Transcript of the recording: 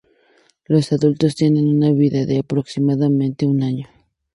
Los adultos tienen una vida de aproximadamente un año.